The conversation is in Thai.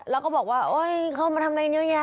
แล้วก็บอกว่าเฮ้ยเค้ามาทำอะไรเงี้ย